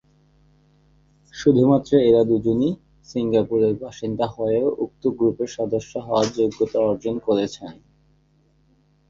শুধুমাত্র এরা দুজনই সিঙ্গাপুরের বাসিন্দা হয়েও উক্ত গ্রুপের সদস্য হওয়ার যোগ্যতা অর্জন করেছেন।